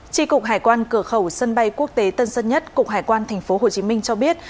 tri cục hải quan cửa khẩu sân bay quốc tế tân sơn nhất cục hải quan tp hcm cho biết